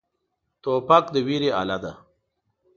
توپک د ویرې اله دی.